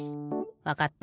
わかった。